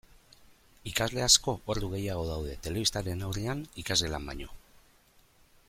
Ikasle asko ordu gehiago daude telebistaren aurrean ikasgelan baino.